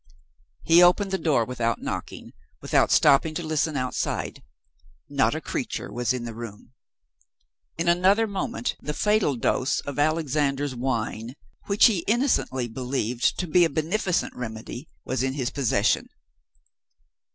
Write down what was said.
He opened the door without knocking, without stopping to listen outside. Not a creature was in the room. In another moment the fatal dose of "Alexander's Wine," which he innocently believed to be a beneficent remedy, was in his possession.